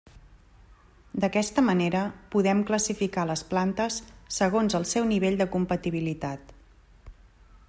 D’aquesta manera, podem classificar les plantes segons el seu nivell de compatibilitat.